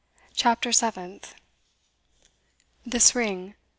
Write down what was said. CHAPTER SEVENTH. This ring.